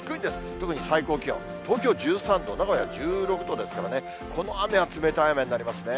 特に最高気温、東京１３度、名古屋１６度ですからね、この雨は冷たい雨になりますね。